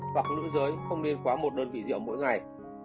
hoặc nữ giới không nên quá một đơn vị rượu mỗi ngày